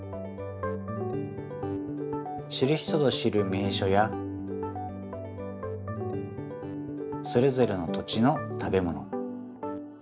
知る人ぞ知る名しょやそれぞれの土地の食べもの。